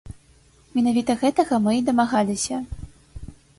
Менавіта гэтага мы і дамагаліся.